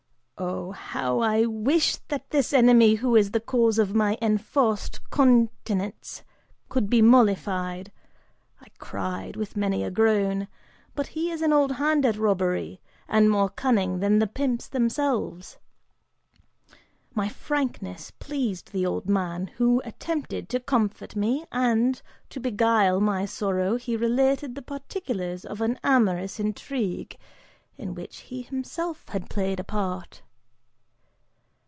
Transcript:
"Oh how I wish that this enemy who is the cause of my enforced continence could be mollified," (I cried, with many a groan,) "but he is an old hand at robbery, and more cunning than the pimps themselves!" (My frankness pleased the old man, who attempted to comfort me and, to beguile my sorrow, he related the particulars of an amorous intrigue in which he himself had played a part.)